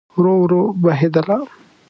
ورو، ورو بهیدله